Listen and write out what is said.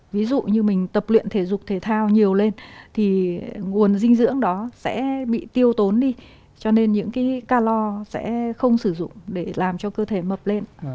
ví dụ như mình tập luyện thể dục thể thao nhiều lên thì nguồn dinh dưỡng đó sẽ bị tiêu tốn đi cho nên những cái calor sẽ không sử dụng để làm cho cơ thể mập lên